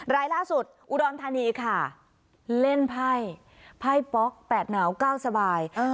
รายล่าสุดอุดรธานีค่ะเล่นไพ่ไพ่ป๊อก๘หนาว๙สบาย